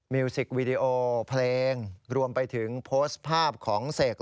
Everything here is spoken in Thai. มิวสิกวิดีโอ